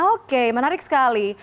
oke menarik sekali